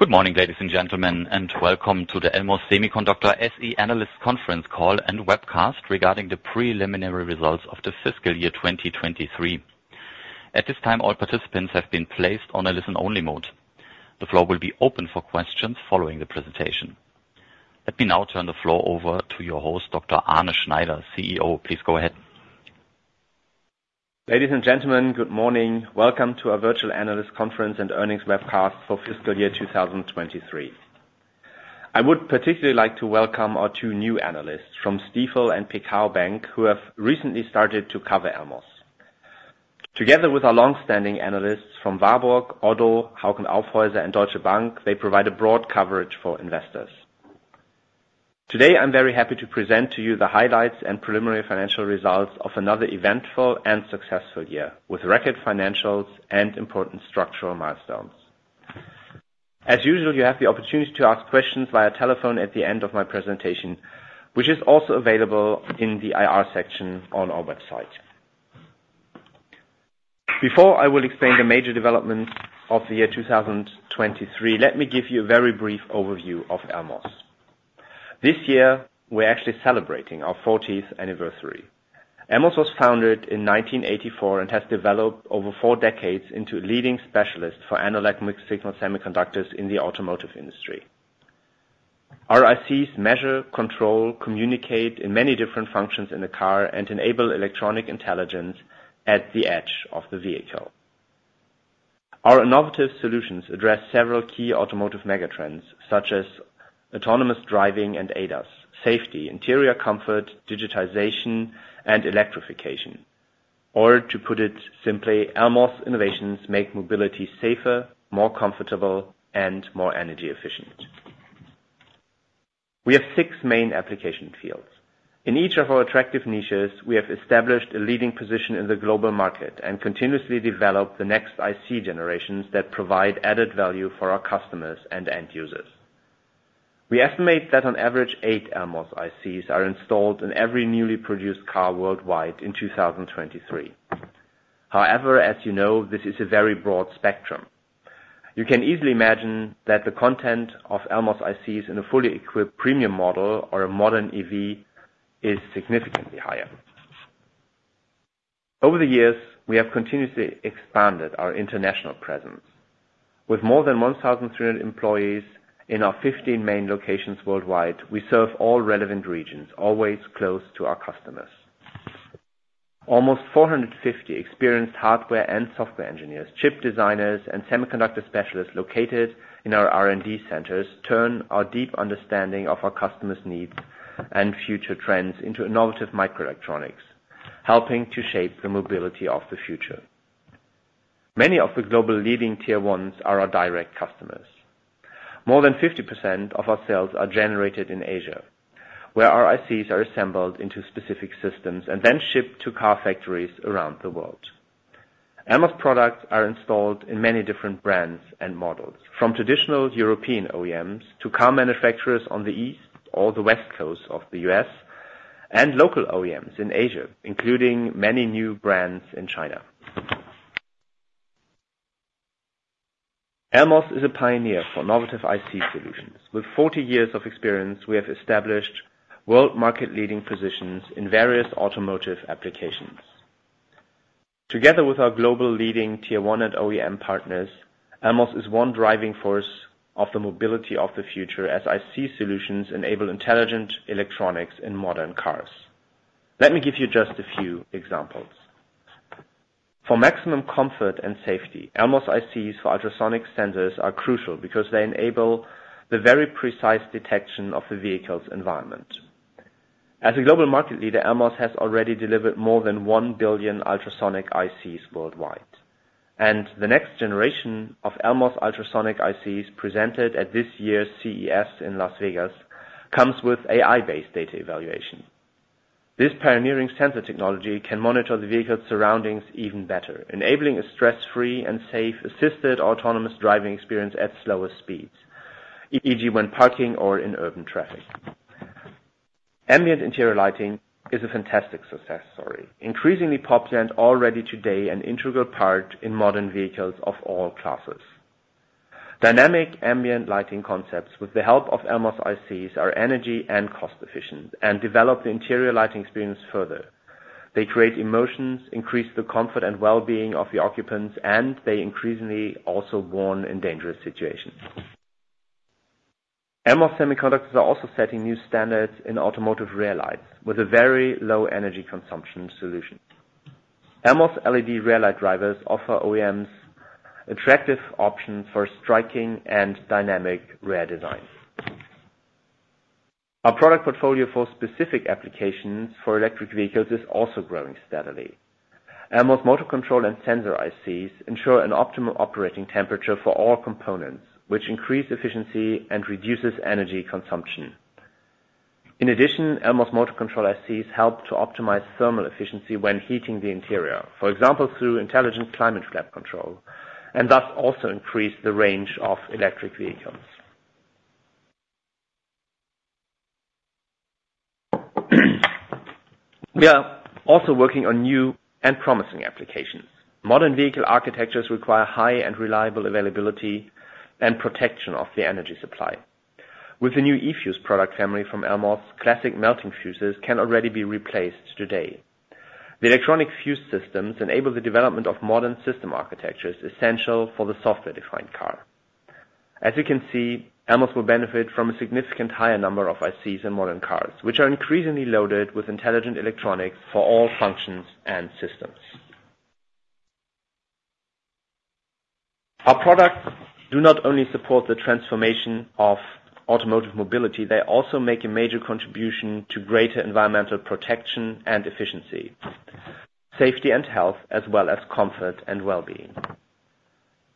Good morning, ladies and gentlemen, and welcome to the Elmos Semiconductor SE Analyst Conference call and webcast regarding the preliminary results of the fiscal year 2023. At this time, all participants have been placed on a listen-only mode. The floor will be open for questions following the presentation. Let me now turn the floor over to your host, Dr. Arne Schneider, CEO. Please go ahead. Ladies and gentlemen, good morning. Welcome to our virtual analyst conference and earnings webcast for fiscal year 2023. I would particularly like to welcome our two new analysts from Stifel and Piguet Galland, who have recently started to cover Elmos. Together with our longstanding analysts from Warburg Research, ODDO BHF, Hauck Aufhäuser, and Deutsche Bank, they provide a broad coverage for investors. Today, I'm very happy to present to you the highlights and preliminary financial results of another eventful and successful year, with record financials and important structural milestones. As usual, you have the opportunity to ask questions via telephone at the end of my presentation, which is also available in the IR section on our website. Before I will explain the major developments of the year 2023, let me give you a very brief overview of Elmos. This year, we're actually celebrating our 40th anniversary. Elmos was founded in 1984 and has developed over four decades into a leading specialist for analog mixed-signal semiconductors in the automotive industry. ICs measure, control, communicate in many different functions in the car, and enable electronic intelligence at the edge of the vehicle. Our innovative solutions address several key automotive megatrends, such as autonomous driving and ADAS, safety, interior comfort, digitization, and electrification. Or to put it simply, Elmos innovations make mobility safer, more comfortable, and more energy efficient. We have six main application fields. In each of our attractive niches, we have established a leading position in the global market and continuously develop the next IC generations that provide added value for our customers and end users. We estimate that on average, eight Elmos ICs are installed in every newly produced car worldwide in 2023. However, as you know, this is a very broad spectrum. You can easily imagine that the content of Elmos ICs in a fully equipped premium model or a modern EV is significantly higher. Over the years, we have continuously expanded our international presence. With more than 1,300 employees in our 15 main locations worldwide, we serve all relevant regions, always close to our customers. Almost 450 experienced hardware and software engineers, chip designers, and semiconductor specialists located in our R&D centers turn our deep understanding of our customers' needs and future trends into innovative microelectronics, helping to shape the mobility of the future. Many of the global leading tier ones are our direct customers. More than 50% of our sales are generated in Asia, where our ICs are assembled into specific systems and then shipped to car factories around the world. Elmos products are installed in many different brands and models, from traditional European OEMs to car manufacturers on the east or the west coast of the U.S., and local OEMs in Asia, including many new brands in China. Elmos is a pioneer for innovative IC solutions. With 40 years of experience, we have established world-market-leading positions in various automotive applications. Together with our global leading tier one and OEM partners, Elmos is one driving force of the mobility of the future as IC solutions enable intelligent electronics in modern cars. Let me give you just a few examples. For maximum comfort and safety, Elmos ICs for ultrasonic sensors are crucial because they enable the very precise detection of the vehicle's environment. As a global market leader, Elmos has already delivered more than one billion ultrasonic ICs worldwide. The next generation of Elmos ultrasonic ICs presented at this year's CES in Las Vegas comes with AI-based data evaluation. This pioneering sensor technology can monitor the vehicle's surroundings even better, enabling a stress-free and safe assisted autonomous driving experience at slower speeds, e.g., when parking or in urban traffic. Ambient interior lighting is a fantastic success story, increasingly popular and already today an integral part in modern vehicles of all classes. Dynamic ambient lighting concepts, with the help of Elmos ICs, are energy and cost-efficient and develop the interior lighting experience further. They create emotions, increase the comfort and well-being of the occupants, and they increasingly also warn in dangerous situations. Elmos semiconductors are also setting new standards in automotive rear lights with a very low energy consumption solution. Elmos LED rear light drivers offer OEMs attractive options for striking and dynamic rear designs. Our product portfolio for specific applications for electric vehicles is also growing steadily. Elmos motor control and sensor ICs ensure an optimal operating temperature for all components, which increase efficiency and reduces energy consumption. In addition, Elmos motor control ICs help to optimize thermal efficiency when heating the interior, for example, through intelligent climate flap control, and thus also increase the range of electric vehicles. We are also working on new and promising applications. Modern vehicle architectures require high and reliable availability and protection of the energy supply. With the new eFuse product family from Elmos, classic melting fuses can already be replaced today. The electronic fuse systems enable the development of modern system architectures essential for the software-defined car. As you can see, Elmos will benefit from a significant higher number of ICs in modern cars, which are increasingly loaded with intelligent electronics for all functions and systems. Our products do not only support the transformation of automotive mobility. They also make a major contribution to greater environmental protection and efficiency, safety and health, as well as comfort and well-being.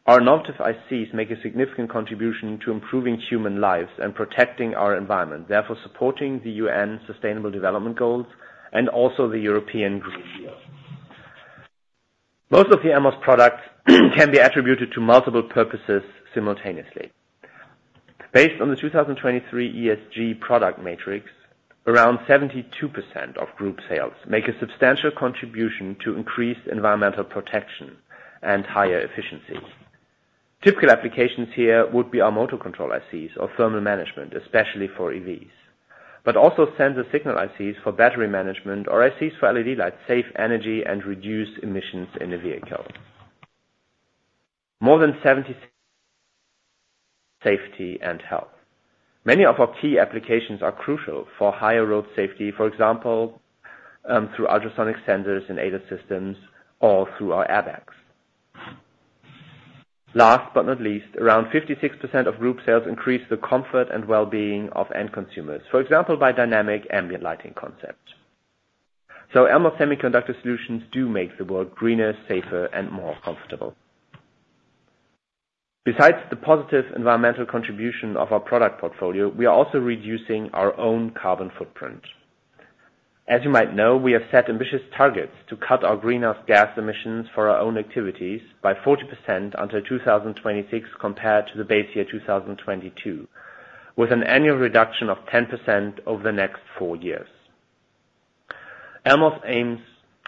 Our innovative ICs make a significant contribution to improving human lives and protecting our environment, therefore supporting the UN Sustainable Development Goals and also the European Green Deal. Most of the Elmos products can be attributed to multiple purposes simultaneously. Based on the 2023 ESG product matrix, around 72% of group sales make a substantial contribution to increased environmental protection and higher efficiency. Typical applications here would be our motor control ICs or thermal management, especially for EVs, but also sensor signal ICs for battery management or ICs for LED lights, safe energy, and reduced emissions in a vehicle. More than 70% safety and health. Many of our key applications are crucial for higher road safety, for example, through ultrasonic sensors in ADAS systems or through our airbags. Last but not least, around 56% of group sales increase the comfort and well-being of end consumers, for example, by dynamic ambient lighting concepts. So Elmos Semiconductor solutions do make the world greener, safer, and more comfortable. Besides the positive environmental contribution of our product portfolio, we are also reducing our own carbon footprint. As you might know, we have set ambitious targets to cut our greenhouse gas emissions for our own activities by 40% until 2026 compared to the base year 2022, with an annual reduction of 10% over the next four years. Elmos aims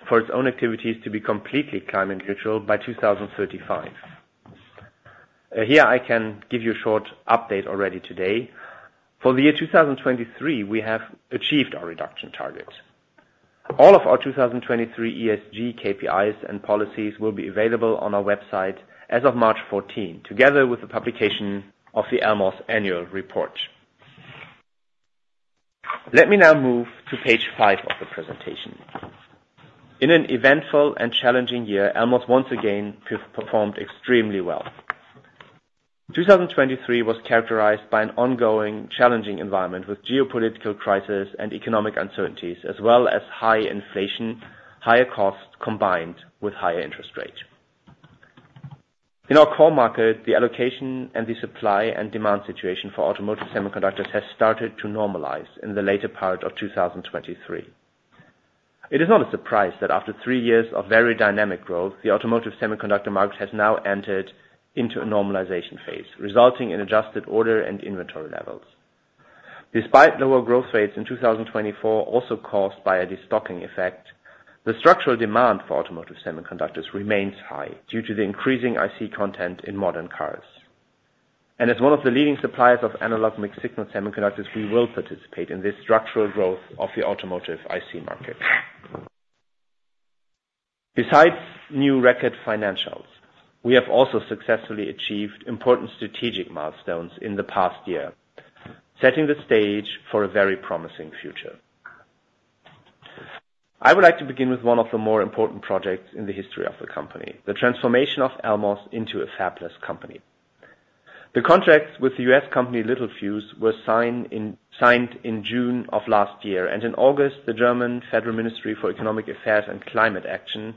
for its own activities to be completely climate neutral by 2035. Here, I can give you a short update already today. For the year 2023, we have achieved our reduction target. All of our 2023 ESG KPIs and policies will be available on our website as of March 14, together with the publication of the Elmos annual report. Let me now move to page five of the presentation. In an eventful and challenging year, Elmos once again performed extremely well. 2023 was characterized by an ongoing challenging environment with geopolitical crisis and economic uncertainties, as well as high inflation, higher costs combined with higher interest rates. In our core market, the allocation and the supply and demand situation for automotive semiconductors has started to normalize in the later part of 2023. It is not a surprise that after three years of very dynamic growth, the automotive semiconductor market has now entered into a normalization phase, resulting in adjusted order and inventory levels. Despite lower growth rates in 2024, also caused by a destocking effect, the structural demand for automotive semiconductors remains high due to the increasing IC content in modern cars. As one of the leading suppliers of analog mixed-signal semiconductors, we will participate in this structural growth of the automotive IC market. Besides new record financials, we have also successfully achieved important strategic milestones in the past year, setting the stage for a very promising future. I would like to begin with one of the more important projects in the history of the company, the transformation of Elmos into a fabless company. The contracts with the U.S. company Littelfuse were signed in June of last year, and in August, the German Federal Ministry for Economic Affairs and Climate Action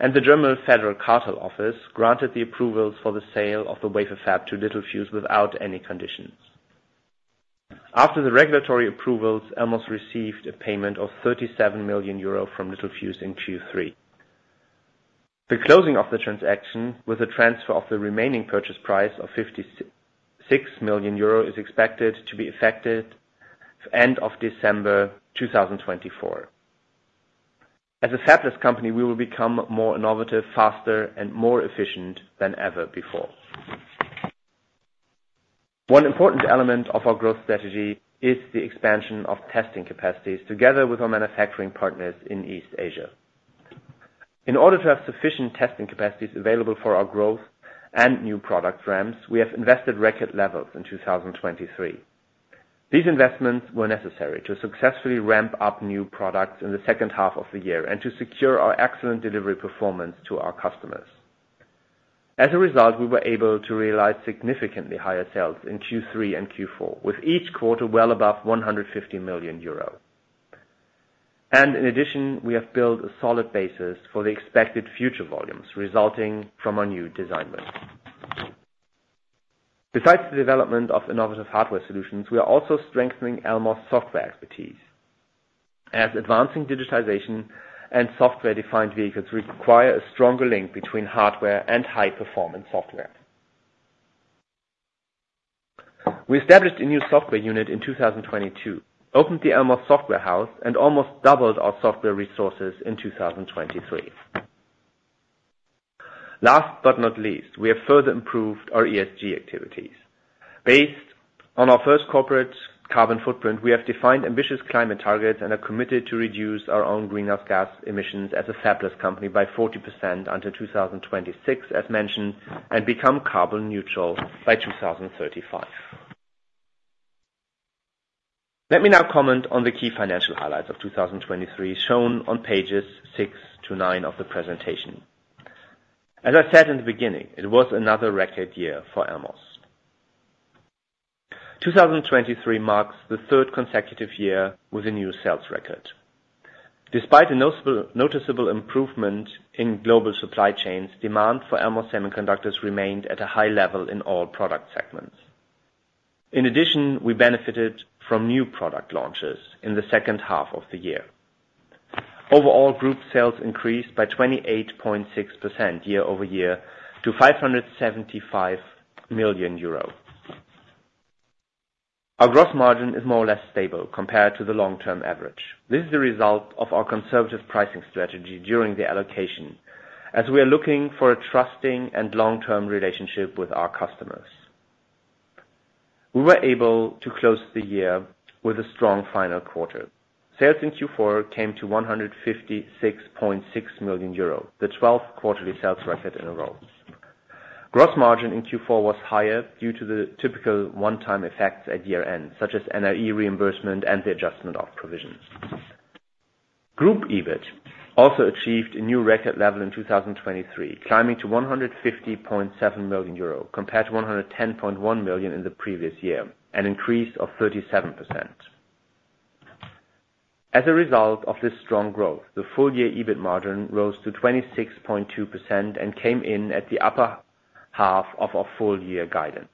and the German Federal Cartel Office granted the approvals for the sale of the wafer fab to Littelfuse without any conditions. After the regulatory approvals, Elmos received a payment of 37 million euro from Littelfuse in Q3. The closing of the transaction, with a transfer of the remaining purchase price of 56 million euro, is expected to be effective at the end of December 2024. As a fabless company, we will become more innovative, faster, and more efficient than ever before. One important element of our growth strategy is the expansion of testing capacities together with our manufacturing partners in East Asia. In order to have sufficient testing capacities available for our growth and new product ramps, we have invested record levels in 2023. These investments were necessary to successfully ramp up new products in the second half of the year and to secure our excellent delivery performance to our customers. As a result, we were able to realize significantly higher sales in Q3 and Q4, with each quarter well above 150 million euro. In addition, we have built a solid basis for the expected future volumes resulting from our new design work. Besides the development of innovative hardware solutions, we are also strengthening Elmos Software expertise, as advancing digitization and software-defined vehicles require a stronger link between hardware and high-performance software. We established a new software unit in 2022, opened the Elmos Software House, and almost doubled our software resources in 2023. Last but not least, we have further improved our ESG activities. Based on our first corporate carbon footprint, we have defined ambitious climate targets and are committed to reduce our own greenhouse gas emissions as a fabless company by 40% until 2026, as mentioned, and become carbon neutral by 2035. Let me now comment on the key financial highlights of 2023 shown on pages six to nine of the presentation. As I said in the beginning, it was another record year for Elmos. 2023 marks the third consecutive year with a new sales record. Despite a noticeable improvement in global supply chains, demand for Elmos semiconductors remained at a high level in all product segments. In addition, we benefited from new product launches in the second half of the year. Overall, group sales increased by 28.6% YoY to EUR 575 million. Our gross margin is more or less stable compared to the long-term average. This is the result of our conservative pricing strategy during the allocation, as we are looking for a trusting and long-term relationship with our customers. We were able to close the year with a strong final quarter. Sales in Q4 came to 156.6 million euro, the 12th quarterly sales record in a row. Gross margin in Q4 was higher due to the typical one-time effects at year end, such as NRE reimbursement and the adjustment of provisions. Group EBIT also achieved a new record level in 2023, climbing to 150.7 million euro compared to 110.1 million in the previous year, an increase of 37%. As a result of this strong growth, the full-year EBIT margin rose to 26.2% and came in at the upper half of our full-year guidance.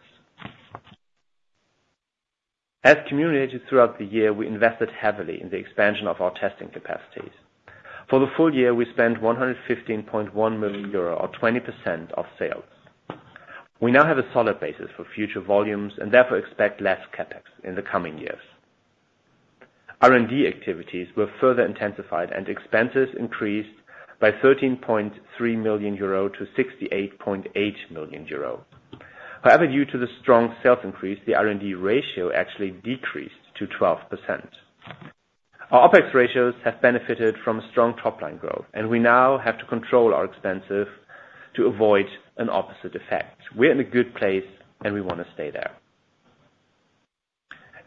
As commented throughout the year, we invested heavily in the expansion of our testing capacities. For the full year, we spent 115.1 million euro, or 20% of sales. We now have a solid basis for future volumes and therefore expect less CapEx in the coming years. R&D activities were further intensified, and expenses increased by 13.3 million euro to 68.8 million euro. However, due to the strong sales increase, the R&D ratio actually decreased to 12%. Our OpEx ratios have benefited from a strong top-line growth, and we now have to control our expenses to avoid an opposite effect. We're in a good place, and we want to stay there.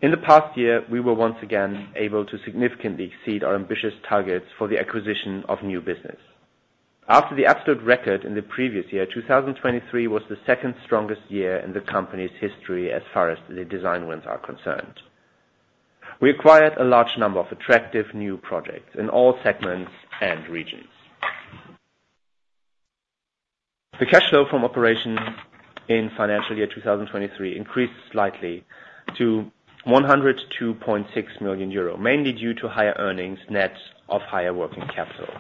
In the past year, we were once again able to significantly exceed our ambitious targets for the acquisition of new business. After the absolute record in the previous year, 2023 was the second strongest year in the company's history as far as the design wins are concerned. We acquired a large number of attractive new projects in all segments and regions. The cash flow from operations in financial year 2023 increased slightly to 102.6 million euro, mainly due to higher earnings net of higher working capital.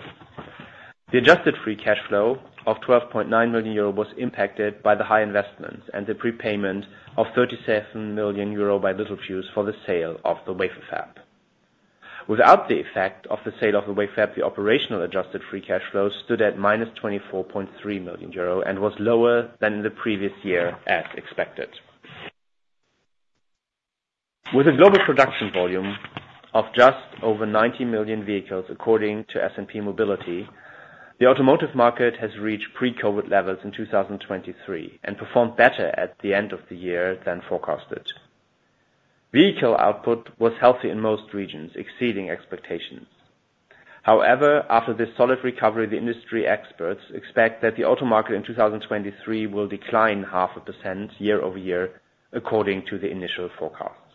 The adjusted free cash flow of 12.9 million euro was impacted by the high investments and the prepayment of 37 million euro by Littelfuse for the sale of the wafer fab. Without the effect of the sale of the wafer fab, the operational adjusted free cash flow stood at -24.3 million euros and was lower than in the previous year as expected. With a global production volume of just over 90 million vehicles, according to S&P Mobility, the automotive market has reached pre-COVID levels in 2023 and performed better at the end of the year than forecasted. Vehicle output was healthy in most regions, exceeding expectations. However, after this solid recovery, the industry experts expect that the auto market in 2023 will decline 0.5% YoY, according to the initial forecasts.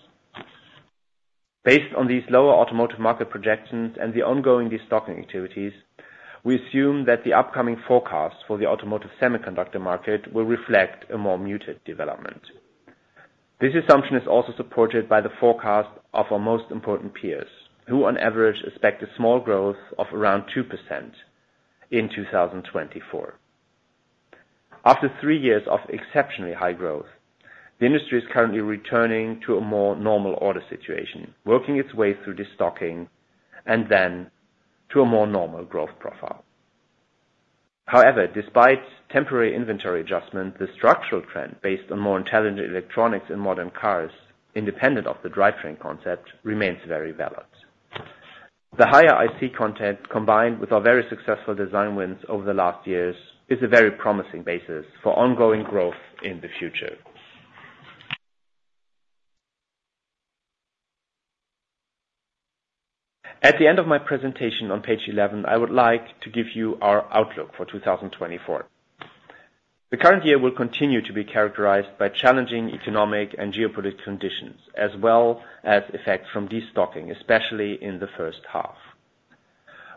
Based on these lower automotive market projections and the ongoing destocking activities, we assume that the upcoming forecasts for the automotive semiconductor market will reflect a more muted development. This assumption is also supported by the forecast of our most important peers, who on average expect a small growth of around 2% in 2024. After three years of exceptionally high growth, the industry is currently returning to a more normal order situation, working its way through destocking, and then to a more normal growth profile. However, despite temporary inventory adjustment, the structural trend based on more intelligent electronics in modern cars, independent of the drivetrain concept, remains very valid. The higher IC content combined with our very successful design wins over the last years is a very promising basis for ongoing growth in the future. At the end of my presentation on page 11, I would like to give you our outlook for 2024. The current year will continue to be characterized by challenging economic and geopolitical conditions, as well as effects from destocking, especially in the first half.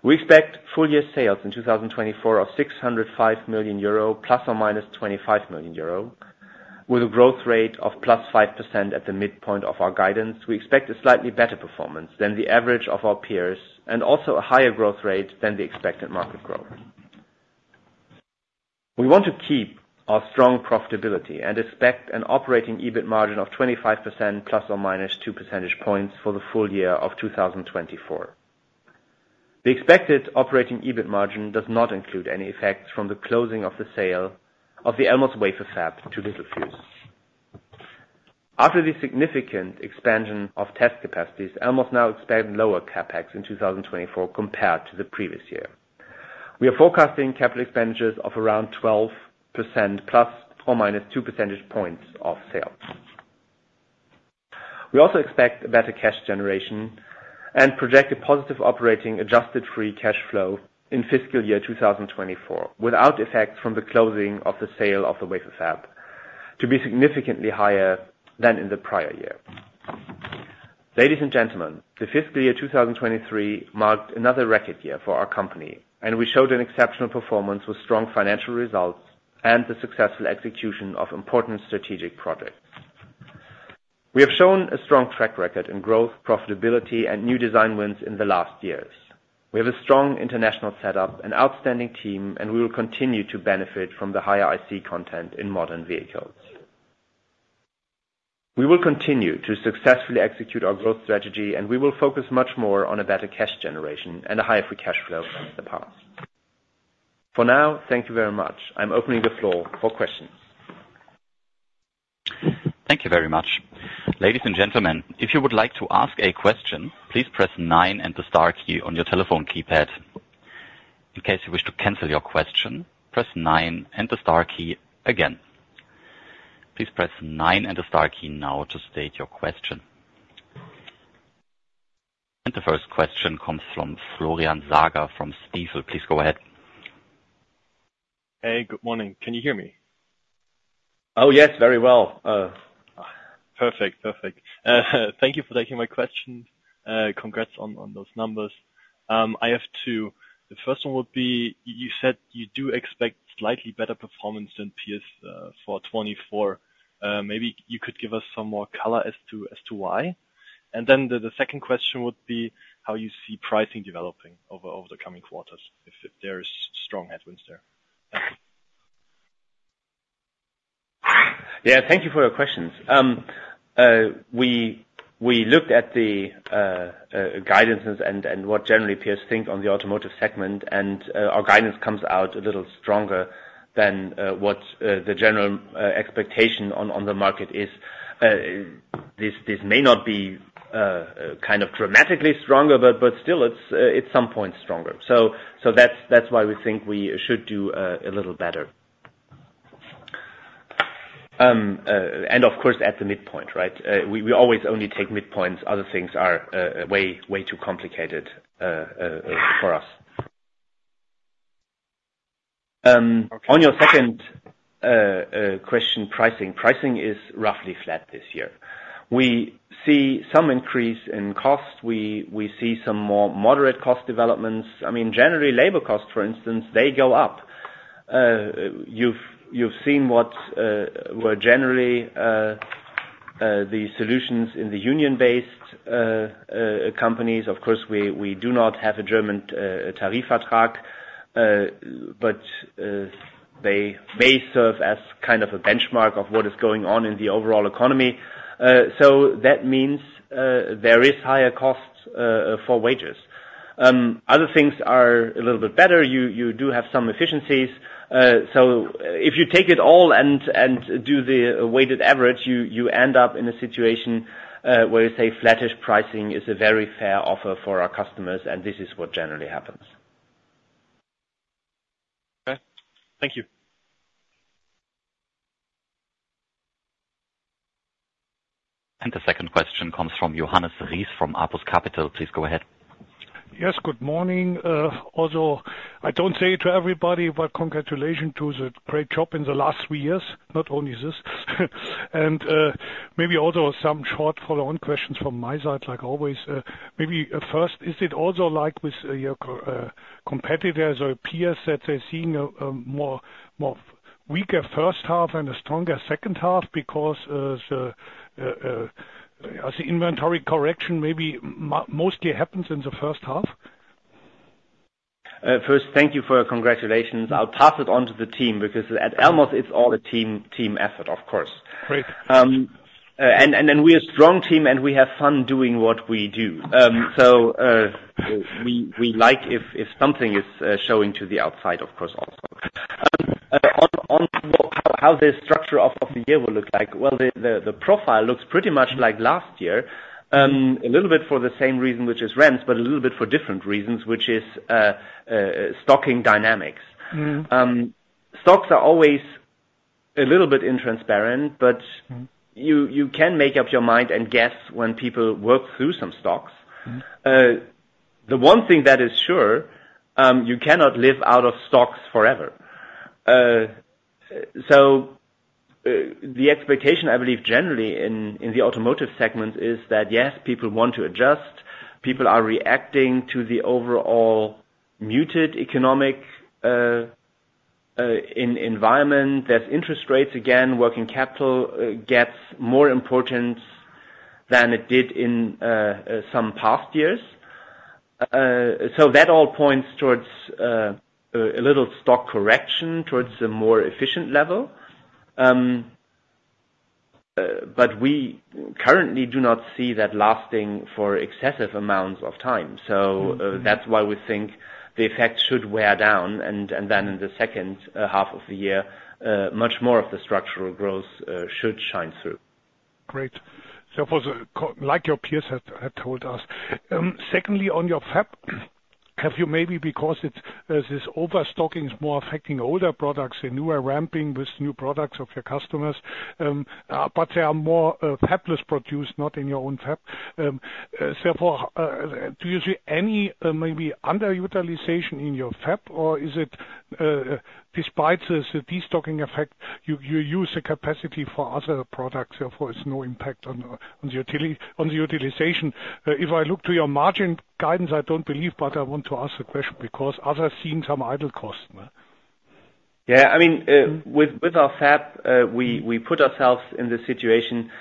We expect full-year sales in 2024 of 605 million euro ± 25 million euro. With a growth rate of +5% at the midpoint of our guidance, we expect a slightly better performance than the average of our peers and also a higher growth rate than the expected market growth. We want to keep our strong profitability and expect an operating EBIT margin of 25% ±2 percentage points for the full year of 2024. The expected operating EBIT margin does not include any effects from the closing of the sale of the Elmos wafer fab to Littelfuse. After the significant expansion of test capacities, Elmos now expects lower CapEx in 2024 compared to the previous year. We are forecasting capital expenditures of around 12% ±2 percentage points of sales. We also expect better cash generation and project a positive operating adjusted free cash flow in fiscal year 2024, without effects from the closing of the sale of the wafer fab, to be significantly higher than in the prior year. Ladies and gentlemen, the fiscal year 2023 marked another record year for our company, and we showed an exceptional performance with strong financial results and the successful execution of important strategic projects. We have shown a strong track record in growth, profitability, and new design wins in the last years. We have a strong international setup, an outstanding team, and we will continue to benefit from the higher IC content in modern vehicles. We will continue to successfully execute our growth strategy, and we will focus much more on a better cash generation and a higher free cash flow than in the past. For now, thank you very much. I'm opening the floor for questions. Thank you very much. Ladies and gentlemen, if you would like to ask a question, please press nine and the star key on your telephone keypad. In case you wish to cancel your question, press nine and the star key again. Please press nine and the star key now to state your question. And the first question comes from Florian Sager from Stifel. Please go ahead. Hey, good morning. Can you hear me? Oh, yes, very well. Perfect, perfect. Thank you for taking my question. Congrats on those numbers. I have two. The first one would be, you said you do expect slightly better performance than peers for 2024. Maybe you could give us some more color as to why. And then the second question would be how you see pricing developing over the coming quarters, if there are strong headwinds there. Yeah, thank you for your questions. We looked at the guidances and what generally peers think on the automotive segment, and our guidance comes out a little stronger than what the general expectation on the market is. This may not be kind of dramatically stronger, but still, it's some point stronger. So that's why we think we should do a little better. And of course, at the midpoint, right? We always only take midpoints. Other things are way, way too complicated for us. On your second question, pricing, pricing is roughly flat this year. We see some increase in cost. We see some more moderate cost developments. I mean, generally, labor costs, for instance, they go up. You've seen what were generally the solutions in the union-based companies. Of course, we do not have a German Tarifvertrag, but they may serve as kind of a benchmark of what is going on in the overall economy. So that means there is higher cost for wages. Other things are a little bit better. You do have some efficiencies. So if you take it all and do the weighted average, you end up in a situation where you say flattish pricing is a very fair offer for our customers, and this is what generally happens. Okay. Thank you. And the second question comes from Johannes Ries from Apus Capital. Please go ahead. Yes, good morning. Although I don't say it to everybody, but congratulations to the great job in the last three years, not only this. And maybe also some short follow-on questions from my side, like always. Maybe first, is it also like with your competitors or peers that they're seeing a much weaker first half and a stronger second half because the inventory correction maybe mostly happens in the first half? First, thank you for your congratulations. I'll pass it on to the team because at Elmos, it's all a team effort, of course. And then we are a strong team, and we have fun doing what we do. So we like if something is showing to the outside, of course, also. On how the structure of the year will look like, well, the profile looks pretty much like last year, a little bit for the same reason, which is trends, but a little bit for different reasons, which is stocking dynamics. Stocks are always a little bit intransparent, but you can make up your mind and guess when people work through some stocks. The one thing that is sure, you cannot live out of stocks forever. So the expectation, I believe, generally in the automotive segment is that, yes, people want to adjust. People are reacting to the overall muted economic environment. There's interest rates again. Working capital gets more important than it did in some past years. So that all points towards a little stock correction towards a more efficient level. But we currently do not see that lasting for excessive amounts of time. So that's why we think the effects should wear down. And then in the second half of the year, much more of the structural growth should shine through. Great. So like your peers have told us. Secondly, on your fab, have you maybe because this overstocking is more affecting older products and newer ramping with new products of your customers, but they are more fabless produced, not in your own fab? Therefore, do you see any maybe underutilization in your fab, or is it despite the destocking effect, you use the capacity for other products? Therefore, it's no impact on the utilization. If I look to your margin guidance, I don't believe, but I want to ask the question because others see some idle cost. Yeah. I mean, with our fab, we put ourselves in the situation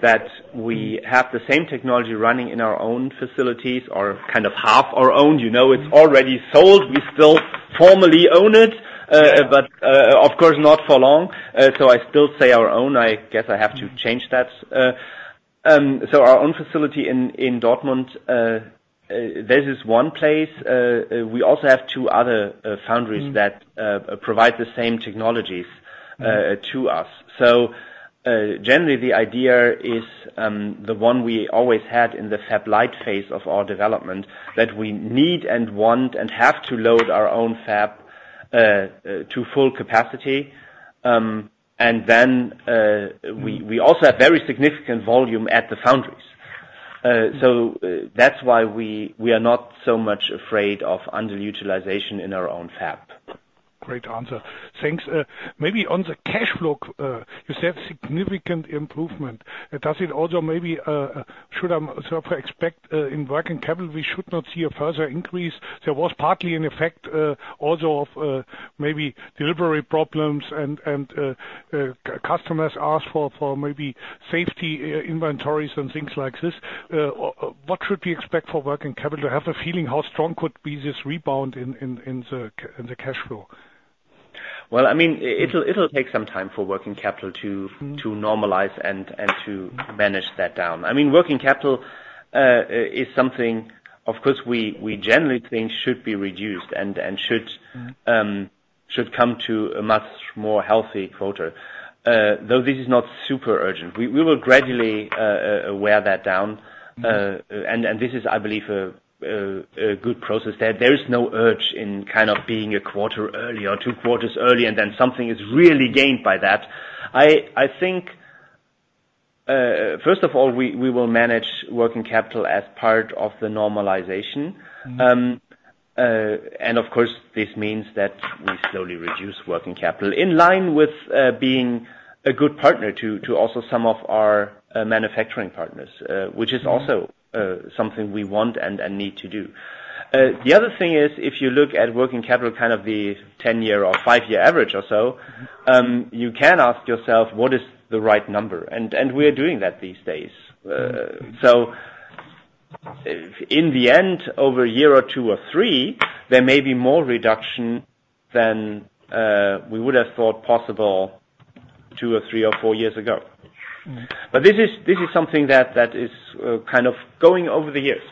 that we have the same technology running in our own facilities or kind of half our own. It's already sold. We still formally own it, but of course, not for long. So I still say our own. I guess I have to change that. So our own facility in Dortmund, this is one place. We also have two other foundries that provide the same technologies to us. So generally, the idea is the one we always had in the fab light phase of our development, that we need and want and have to load our own fab to full capacity. And then we also have very significant volume at the foundries. So that's why we are not so much afraid of underutilization in our own fab. Great answer. Thanks. Maybe on the cash flow, you said significant improvement. Does it also maybe—should I sort of expect in working capital, we should not see a further increase? There was partly an effect also of maybe delivery problems, and customers asked for maybe safety inventories and things like this. What should we expect for working capital? I have a feeling how strong could be this rebound in the cash flow? Well, I mean, it'll take some time for working capital to normalize and to manage that down. I mean, working capital is something, of course, we generally think should be reduced and should come to a much more healthy quarter, though this is not super urgent. We will gradually wear that down. This is, I believe, a good process there. There is no urge in kind of being a quarter early or two quarters early, and then something is really gained by that. I think, first of all, we will manage working capital as part of the normalization. Of course, this means that we slowly reduce working capital in line with being a good partner to also some of our manufacturing partners, which is also something we want and need to do. The other thing is, if you look at working capital, kind of the 10-year or 5-year average or so, you can ask yourself, "What is the right number?" We are doing that these days. In the end, over a year or two or three, there may be more reduction than we would have thought possible two or three or four years ago. This is something that is kind of going over the years.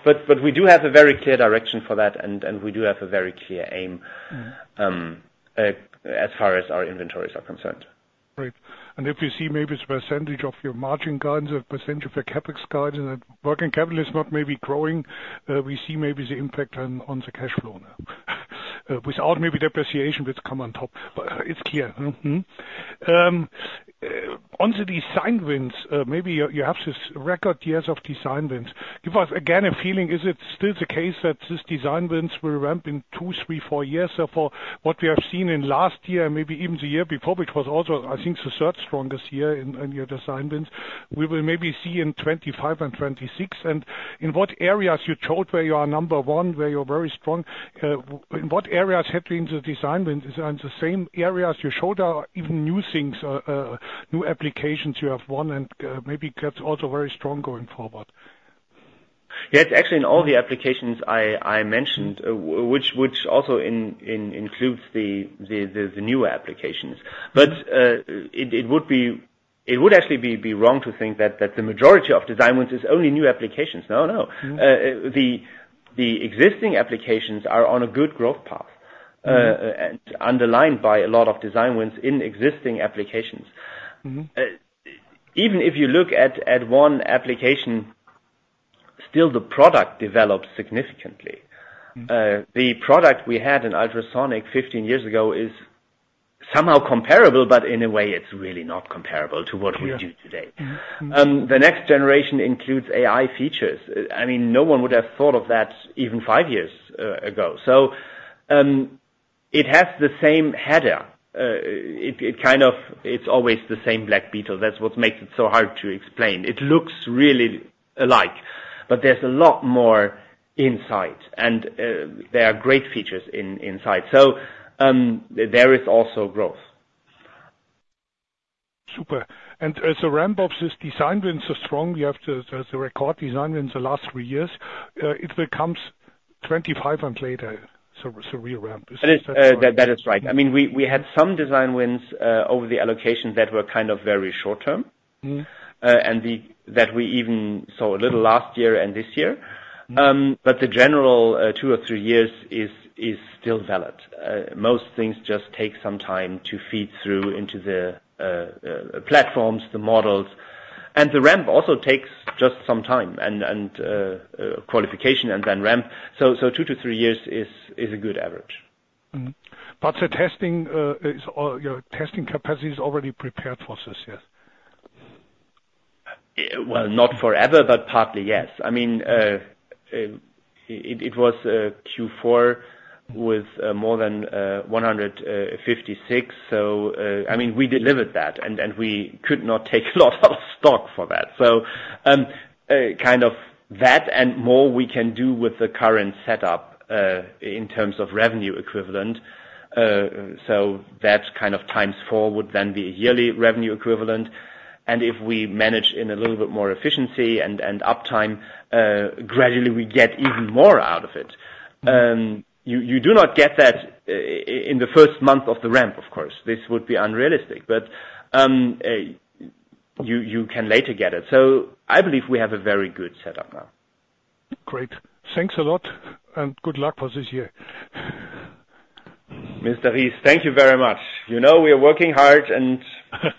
We do have a very clear direction for that, and we do have a very clear aim as far as our inventories are concerned. Great. If you see maybe a percentage of your margin guidance, a percentage of your CapEx guidance, that working capital is not maybe growing, we see maybe the impact on the cash flow now. Without maybe depreciation, which come on top, but it's clear. to the design wins, maybe you have this record years of design wins. Give us, again, a feeling. Is it still the case that these design wins will ramp in two, three, four years? Therefore, what we have seen in last year and maybe even the year before, which was also, I think, the third strongest year in your design wins, we will maybe see in 2025 and 2026. And in what areas you showed where you are number one, where you're very strong, in what areas have been the design wins? And the same areas you showed are even new things, new applications you have won, and maybe that's also very strong going forward. Yeah, it's actually in all the applications I mentioned, which also includes the newer applications. But it would actually be wrong to think that the majority of design wins is only new applications. No, no. The existing applications are on a good growth path and underlined by a lot of design wins in existing applications. Even if you look at one application, still, the product develops significantly. The product we had in ultrasonic 15 years ago is somehow comparable, but in a way, it's really not comparable to what we do today. The next generation includes AI features. I mean, no one would have thought of that even five years ago. So it has the same header. It's always the same black beetle. That's what makes it so hard to explain. It looks really alike, but there's a lot more inside, and there are great features inside. So there is also growth. Super. And so ramp of design wins are strong. You have the record design wins the last three years. It becomes 2025 and later, so real ramp. That is right. I mean, we had some design wins over the allocation that were kind of very short-term and that we even saw a little last year and this year. But the general two or three years is still valid. Most things just take some time to feed through into the platforms, the models. And the ramp also takes just some time and qualification and then ramp. So two-three years is a good average. But your testing capacity is already prepared for this, yes? Well, not forever, but partly, yes. I mean, it was Q4 with more than 156. So I mean, we delivered that, and we could not take a lot of stock for that. So kind of that and more we can do with the current setup in terms of revenue equivalent. So that kind of times four would then be a yearly revenue equivalent. And if we manage in a little bit more efficiency and uptime, gradually, we get even more out of it. You do not get that in the first month of the ramp, of course. This would be unrealistic, but you can later get it. So I believe we have a very good setup now. Great. Thanks a lot, and good luck for this year. Mr. Ries, thank you very much. You know we are working hard, and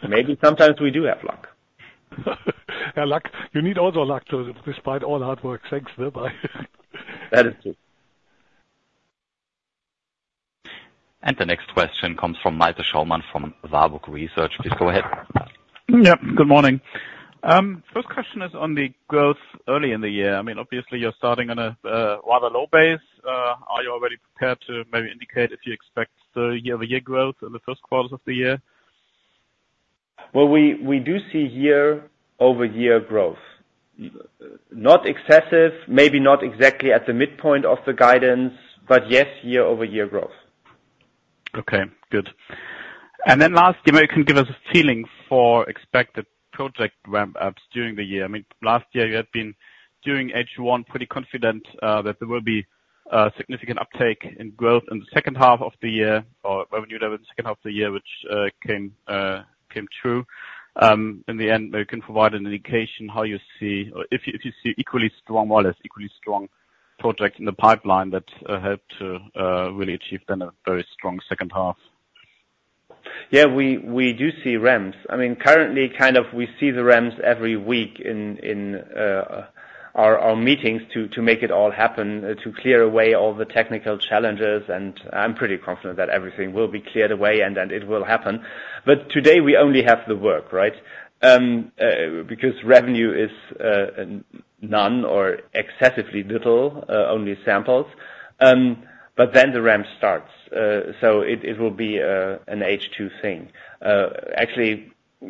maybe sometimes we do have luck. Yeah, luck. You need also luck despite all hard work. Thanks, bye-bye. That is true. And the next question comes from Malte Schaumann from Warburg Research. Please go ahead. Yep. Good morning. First question is on the growth early in the year. I mean, obviously, you're starting on a rather low base. Are you already prepared to maybe indicate if you expect YoY growth in the first quarters of the year? Well, we do see YoY growth. Not excessive, maybe not exactly at the midpoint of the guidance, but yes, YoY growth. Okay. Good. And then last, can you give us a feeling for expected project ramp-ups during the year? I mean, last year, you had been during H1 pretty confident that there will be significant uptake in growth in the second half of the year or revenue level in the second half of the year, which came true. In the end, maybe you can provide an indication how you see or if you see equally strong, more or less equally strong projects in the pipeline that helped to really achieve then a very strong second half. Yeah, we do see ramps. I mean, currently, kind of we see the ramps every week in our meetings to make it all happen, to clear away all the technical challenges. And I'm pretty confident that everything will be cleared away, and it will happen. But today, we only have the work, right, because revenue is none or excessively little, only samples. But then the ramp starts. So it will be an H2 thing. Actually, I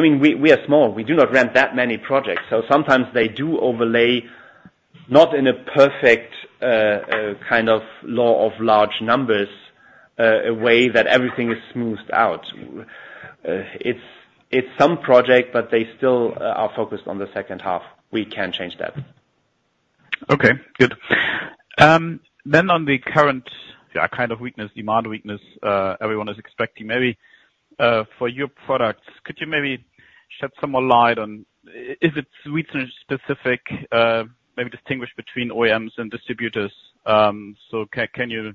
mean, we are small. We do not ramp that many projects. So sometimes they do overlay not in a perfect kind of law of large numbers a way that everything is smoothed out. It's some project, but they still are focused on the second half. We can change that. Okay. Good. Then on the current kind of weakness, demand weakness everyone is expecting, maybe for your products, could you maybe shed some more light on if it's region-specific, maybe distinguish between OEMs and distributors? So can you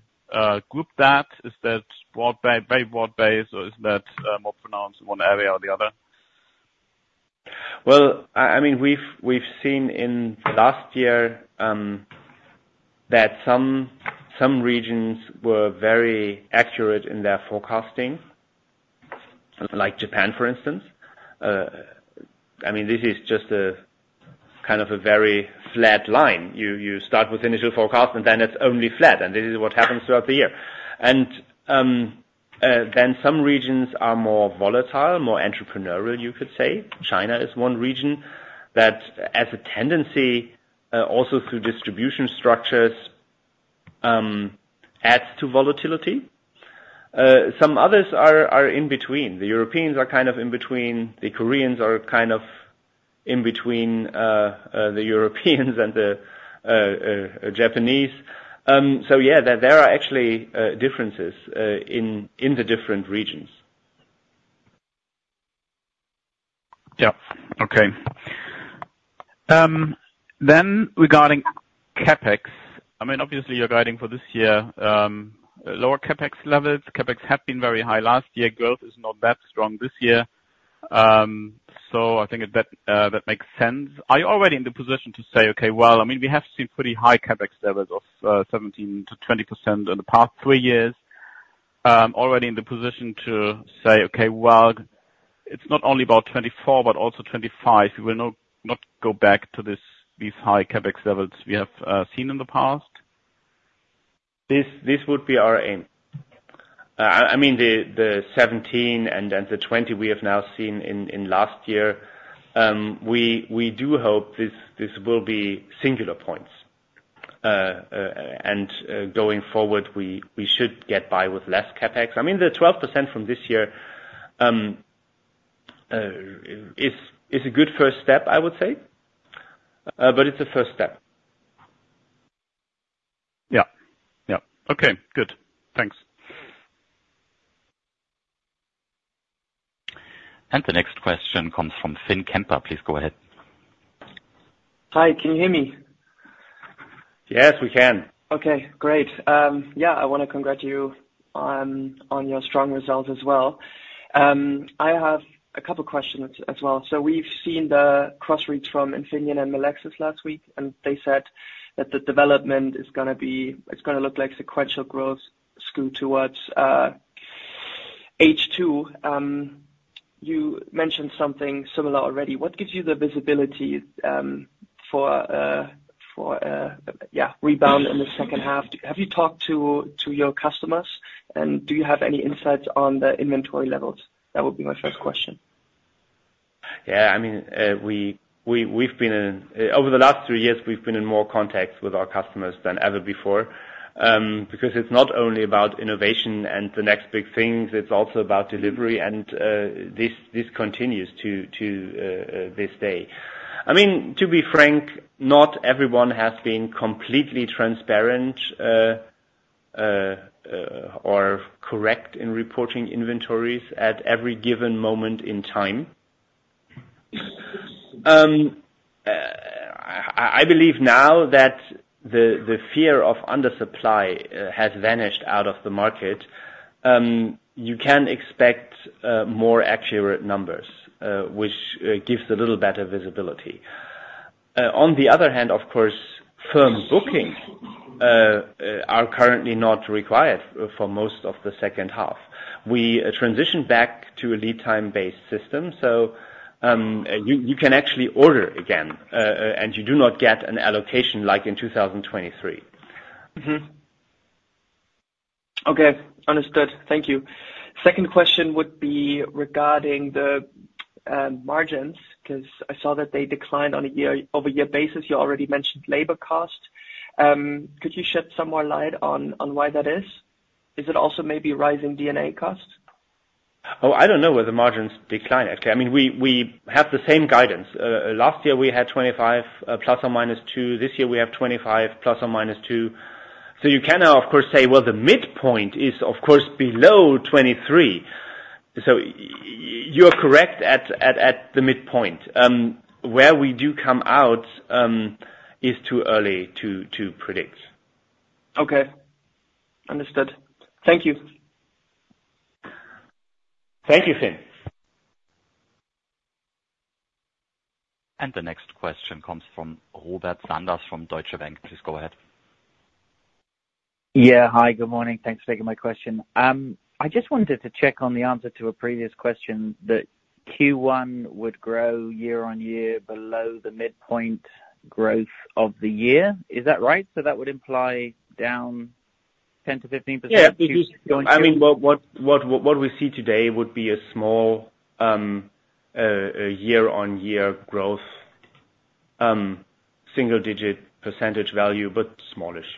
group that? Is that very broad-based, or is that more pronounced in one area or the other? Well, I mean, we've seen in the last year that some regions were very accurate in their forecasting, like Japan, for instance. I mean, this is just kind of a very flat line. You start with initial forecast, and then it's only flat. And this is what happens throughout the year. And then some regions are more volatile, more entrepreneurial, you could say. China is one region that, as a tendency, also through distribution structures, adds to volatility. Some others are in between. The Europeans are kind of in between. The Koreans are kind of in between the Europeans and the Japanese. So yeah, there are actually differences in the different regions. Yep. Okay. Then regarding CapEx, I mean, obviously, you're guiding for this year lower CapEx levels. CapEx had been very high last year. Growth is not that strong this year. So I think that makes sense. Are you already in the position to say, "Okay, well, I mean, we have seen pretty high CapEx levels of 17%-20% in the past three years," already in the position to say, "Okay, well, it's not only about 2024 but also 2025. We will not go back to these high CapEx levels we have seen in the past"? This would be our aim. I mean, the 17% and the 20% we have now seen in last year, we do hope this will be singular points. And going forward, we should get by with less CapEx. I mean, the 12% from this year is a good first step, I would say, but it's a first step. Yep. Yep. Okay. Good. Thanks. And the next question comes from Finn Kemper. Please go ahead. Hi. Can you hear me? Yes, we can. Okay. Great. Yeah, I want to congratulate you on your strong results as well. I have a couple of questions as well. So we've seen the cross-reads from Infineon and Melexis last week, and they said that the development is going to be it's going to look like sequential growth skewed towards H2. You mentioned something similar already. What gives you the visibility for, yeah, rebound in the second half? Have you talked to your customers, and do you have any insights on the inventory levels? That would be my first question. Yeah. I mean, over the last three years, we've been in more contact with our customers than ever before because it's not only about innovation and the next big things. It's also about delivery, and this continues to this day. I mean, to be frank, not everyone has been completely transparent or correct in reporting inventories at every given moment in time. I believe now that the fear of undersupply has vanished out of the market, you can expect more accurate numbers, which gives a little better visibility. On the other hand, of course, firm bookings are currently not required for most of the second half. We transitioned back to a lead-time-based system, so you can actually order again, and you do not get an allocation like in 2023. Okay. Understood. Thank you. Second question would be regarding the margins because I saw that they declined on a YoY basis. You already mentioned labor cost. Could you shed some more light on why that is? Is it also maybe rising D&A cost? Oh, I don't know where the margins decline, actually. I mean, we have the same guidance. Last year, we had 25 ± 2. This year, we have 25 ± 2. So you can now, of course, say, "Well, the midpoint is, of course, below 23." So you are correct at the midpoint. Where we do come out is too early to predict. Okay. Understood. Thank you. Thank you, Finn. And the next question comes from Robert Sanders from Deutsche Bank. Please go ahead. Yeah. Hi. Good morning. Thanks for taking my question. I just wanted to check on the answer to a previous question that Q1 would grow YoY below the midpoint growth of the year. Is that right? So that would imply down 10%-15% Q2 going forward? Yeah. I mean, what we see today would be a small YoY growth, single-digit % value, but smallish.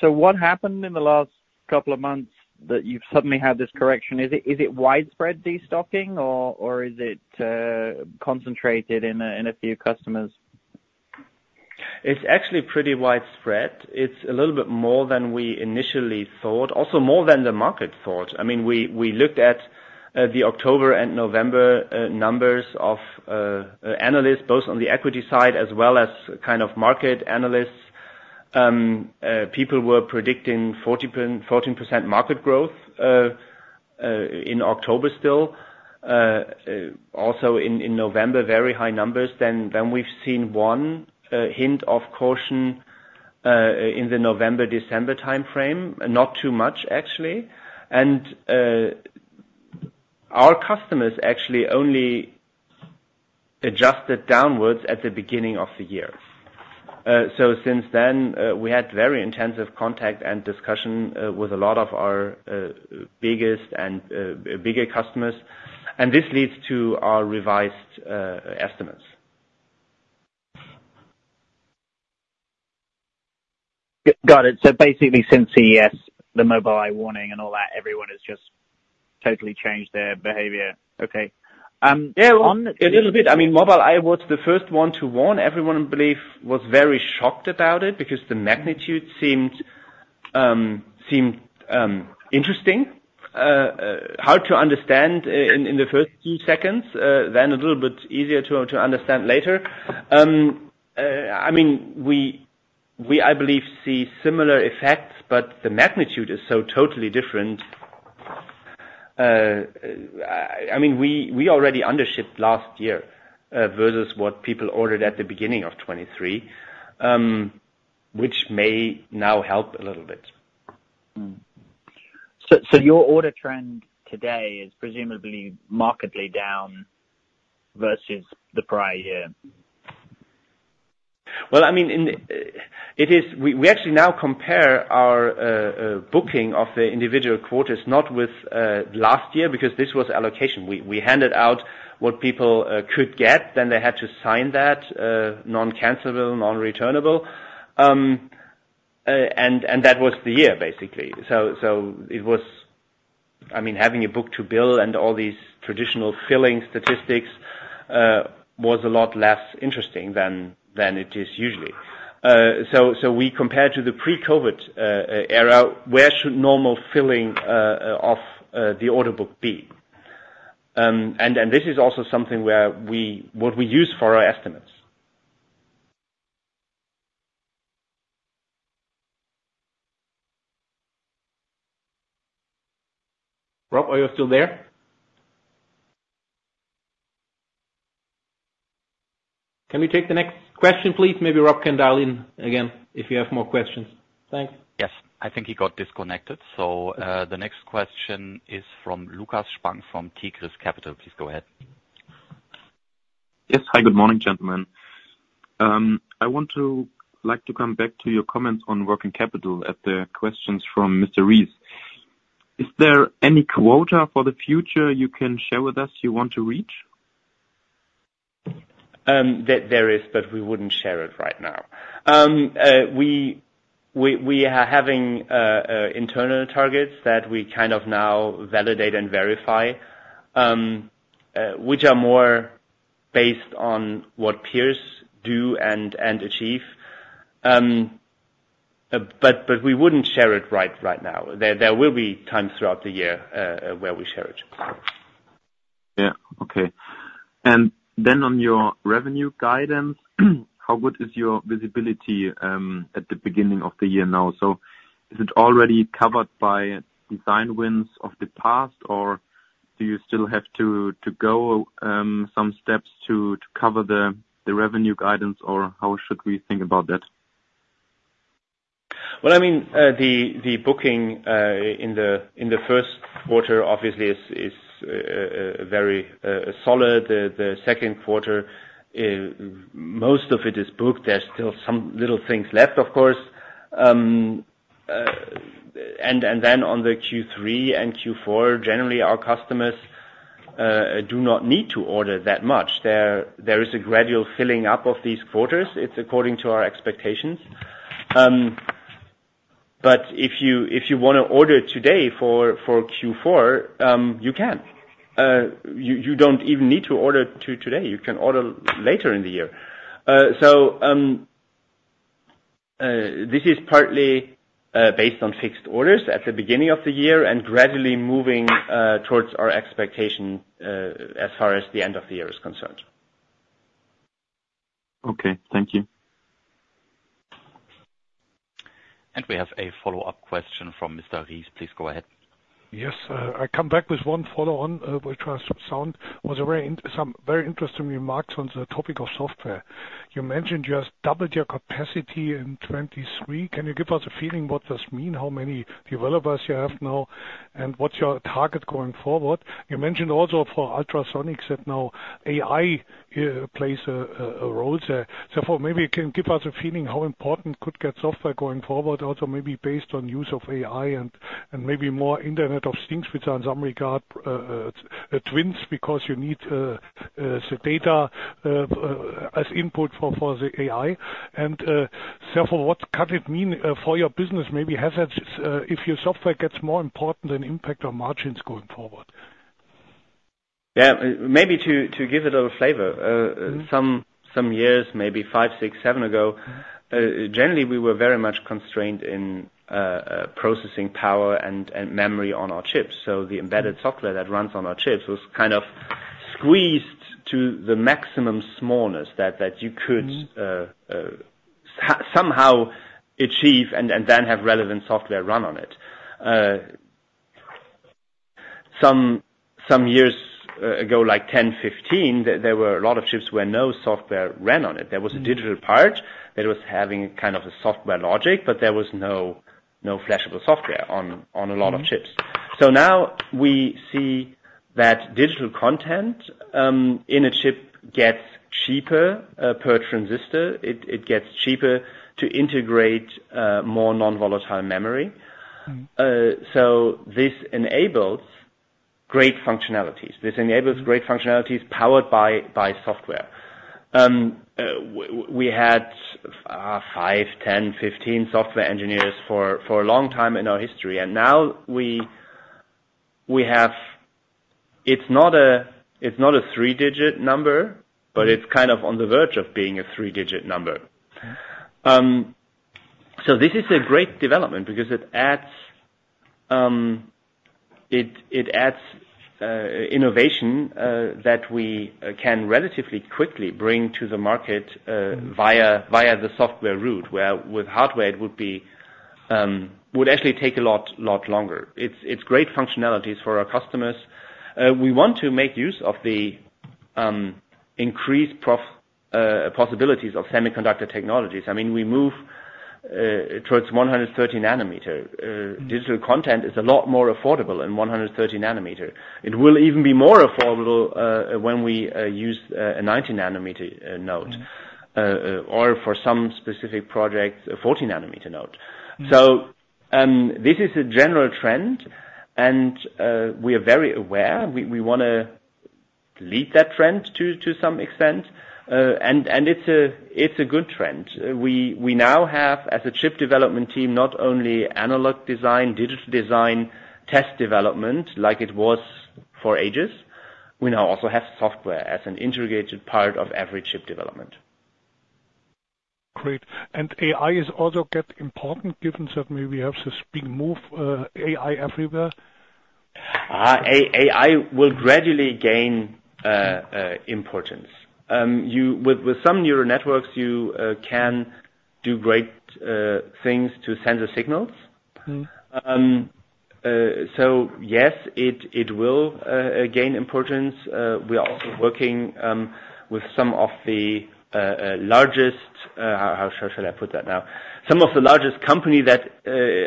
So what happened in the last couple of months that you've suddenly had this correction? Is it widespread destocking, or is it concentrated in a few customers? It's actually pretty widespread. It's a little bit more than we initially thought, also more than the market thought. I mean, we looked at the October and November numbers of analysts, both on the equity side as well as kind of market analysts. People were predicting 14% market growth in October still. Also in November, very high numbers. Then we've seen one hint of caution in the November-December timeframe, not too much, actually. And our customers actually only adjusted downwards at the beginning of the year. Since then, we had very intensive contact and discussion with a lot of our biggest and bigger customers. This leads to our revised estimates. Got it. Basically, since the Mobileye warning and all that, everyone has just totally changed their behavior. Okay. Yeah. A little bit. I mean, Mobileye was the first one to warn. Everyone, I believe, was very shocked about it because the magnitude seemed interesting, hard to understand in the first few seconds, then a little bit easier to understand later. I mean, we, I believe, see similar effects, but the magnitude is so totally different. I mean, we already undershipped last year versus what people ordered at the beginning of 2023, which may now help a little bit. Your order trend today is presumably markedly down versus the prior year? Well, I mean, we actually now compare our booking of the individual quarters not with last year because this was allocation. We handed out what people could get. Then they had to sign that non-cancellable, non-returnable. And that was the year, basically. So it was, I mean, having a book-to-bill and all these traditional filling statistics was a lot less interesting than it is usually. So we compared to the pre-COVID era, where should normal filling of the order book be? And this is also something what we use for our estimates. Rob, are you still there? Can you take the next question, please? Maybe Rob can dial in again if you have more questions. Thanks. Yes. I think he got disconnected. So the next question is from Lukas Spang from Tigris Capital. Please go ahead. Yes. Hi. Good morning, gentlemen. I would like to come back to your comments on working capital at the questions from Mr. Ries. Is there any quota for the future you can share with us you want to reach? There is, but we wouldn't share it right now. We are having internal targets that we kind of now validate and verify, which are more based on what peers do and achieve. But we wouldn't share it right now. There will be times throughout the year where we share it. Yeah. Okay. And then on your revenue guidance, how good is your visibility at the beginning of the year now? So is it already covered by design wins of the past, or do you still have to go some steps to cover the revenue guidance, or how should we think about that? Well, I mean, the booking in the first quarter, obviously, is very solid. The second quarter, most of it is booked. There's still some little things left, of course. Then on the Q3 and Q4, generally, our customers do not need to order that much. There is a gradual filling up of these quarters. It's according to our expectations. But if you want to order today for Q4, you can. You don't even need to order today. You can order later in the year. So this is partly based on fixed orders at the beginning of the year and gradually moving towards our expectation as far as the end of the year is concerned. Okay. Thank you. And we have a follow-up question from Mr. Ries. Please go ahead. Yes. I come back with one follow-on, which sounded like some very interesting remarks on the topic of software. You mentioned you have doubled your capacity in 2023. Can you give us a feeling what this means, how many developers you have now, and what's your target going forward? You mentioned also for ultrasonics that now AI plays a role there. Therefore, maybe you can give us a feeling how important could get software going forward, also maybe based on use of AI and maybe more Internet of Things, which are in some regard twins because you need the data as input for the AI. And therefore, what could it mean for your business, maybe hazards if your software gets more important and impact on margins going forward? Yeah. Maybe to give it a little flavor, some years, maybe five, six, seven ago, generally, we were very much constrained in processing power and memory on our chips. So the embedded software that runs on our chips was kind of squeezed to the maximum smallness that you could somehow achieve and then have relevant software run on it. Some years ago, like 2010, 2015, there were a lot of chips where no software ran on it. There was a digital part that was having kind of a software logic, but there was no flashable software on a lot of chips. So now we see that digital content in a chip gets cheaper per transistor. It gets cheaper to integrate more non-volatile memory. So this enables great functionalities. This enables great functionalities powered by software. We had five, 10, 15 software engineers for a long time in our history. And now it's not a three-digit number, but it's kind of on the verge of being a three-digit number. So this is a great development because it adds innovation that we can relatively quickly bring to the market via the software route, where with hardware, it would actually take a lot longer. It's great functionalities for our customers. We want to make use of the increased possibilities of semiconductor technologies. I mean, we move towards 130 nanometer. Digital content is a lot more affordable in 130 nanometer. It will even be more affordable when we use a 90 nanometer node or for some specific projects, a 40 nanometer node. So this is a general trend, and we are very aware. We want to lead that trend to some extent, and it's a good trend. We now have, as a chip development team, not only analog design, digital design, test development like it was for ages. We now also have software as an integrated part of every chip development. Great. AI is also getting important given that maybe we have such a big move AI everywhere? AI will gradually gain importance. With some neural networks, you can do great things to sense the signals. So yes, it will gain importance. We are also working with some of the largest how should I put that now? Some of the largest company that,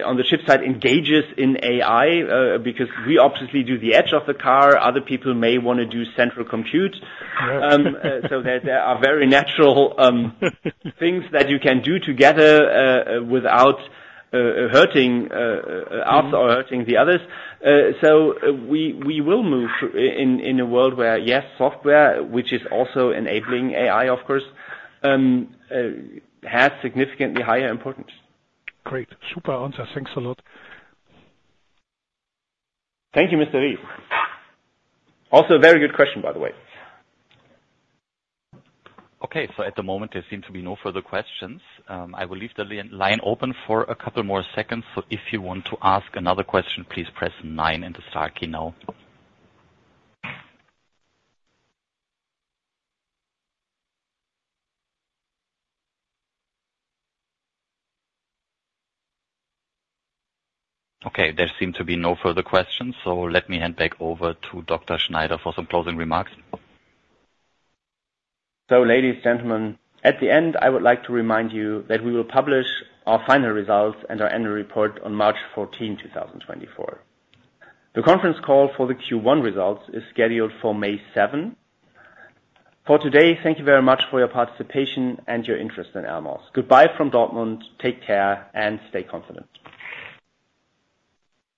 on the chip side, engages in AI because we obviously do the edge of the car. Other people may want to do central compute. So there are very natural things that you can do together without hurting us or hurting the others. So we will move in a world where, yes, software, which is also enabling AI, of course, has significantly higher importance. Great. Super. Answer. Thanks a lot. Thank you, Mr. Ries. Also, very good question, by the way. Okay. So at the moment, there seem to be no further questions. I will leave the line open for a couple more seconds. So if you want to ask another question, please press nine in the star key now. Okay. There seem to be no further questions. So let me hand back over to Dr. Schneider for some closing remarks. So ladies, gentlemen, at the end, I would like to remind you that we will publish our final results and our annual report on March 14, 2024. The conference call for the Q1 results is scheduled for May 7. For today, thank you very much for your participation and your interest in Elmos. Goodbye from Dortmund. Take care and stay confident.